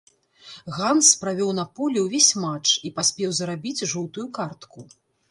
Ганс правёў на полі ўвесь матч і паспеў зарабіць жоўтую картку.